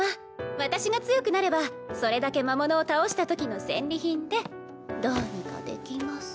私が強くなればそれだけ魔物を倒した時の戦利品でどうにかできます。